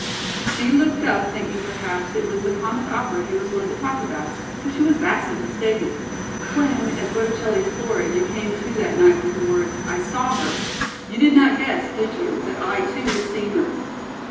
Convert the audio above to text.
She looked up thinking perhaps it was the comic opera he was going to talk about, but she was vastly mistaken. "When, as Botticelli's Flora, you came to that night with the words, 'I saw her ' you did not guess, did you, that I, too, had seen her?"